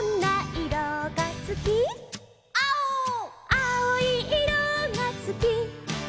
「あおいいろがすき」